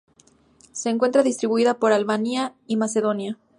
Se encuentra distribuida por Albania y Macedonia.